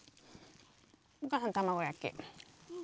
お母さん卵焼き。